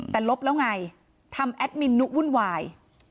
แต่ลบแล้วไงทำแอดมินนุวุ่นวาย